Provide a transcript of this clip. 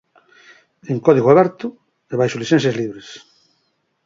En código aberto e baixo licenzas libres.